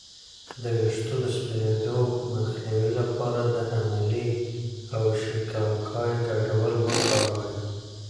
د ویښتو د سپینیدو مخنیوي لپاره د املې او شیکاکای ګډول وکاروئ